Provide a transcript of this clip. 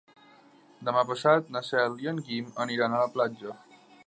Demà passat na Cel i en Guim aniran a la platja.